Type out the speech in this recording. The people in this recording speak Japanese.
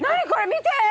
見て！